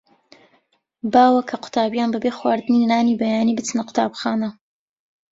باوە کە کە قوتابییان بەبێ خواردنی نانی بەیانی بچنە قوتابخانە.